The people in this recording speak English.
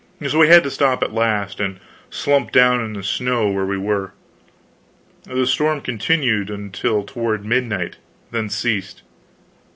So we had to stop at last and slump down in the snow where we were. The storm continued until toward midnight, then ceased.